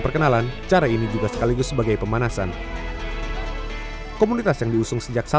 perkenalan cara ini juga sekaligus sebagai pemanasan komunitas yang diusung sejak